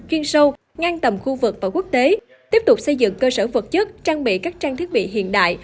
chuyên sâu ngang tầm khu vực và quốc tế tiếp tục xây dựng cơ sở vật chất trang bị các trang thiết bị hiện đại